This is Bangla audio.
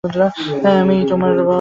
আমিই তোমার বস!